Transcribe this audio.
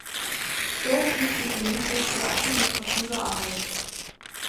Erstens mit dem Mythos über administrative Arbeit.